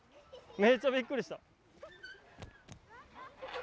めっちゃびっくりした。